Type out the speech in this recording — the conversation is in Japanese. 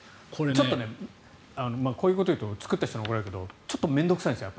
ちょっとね、こういうこと言うと作った人に怒られるけどちょっと面倒臭いんですよ。